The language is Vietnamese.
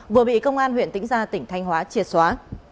vừa bị công an huyện tĩnh gia tỉnh thanh hóa triệt xóa